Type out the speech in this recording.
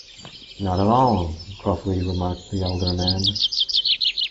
‘Not at all,’ gruffly remarked the elder man.